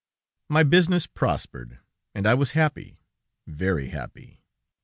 "My business prospered, and I was happy, very happy.